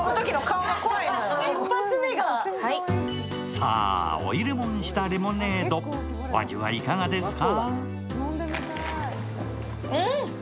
さあ、追いレモンしたレモネード、お味はいかがですか？